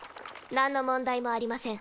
何の問題もありません。